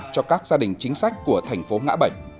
cho các gia đình chính sách của thành phố ngã bảy